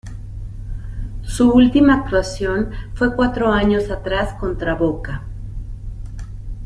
Su última actuación fue cuatro años atrás contra Boca.